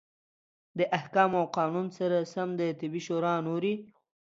د احکامو او قانون سره سم د طبي شورا نورې